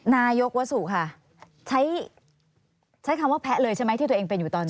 นายกวสุค่ะใช้ใช้คำว่าแพะเลยใช่ไหมที่ตัวเองเป็นอยู่ตอนนี้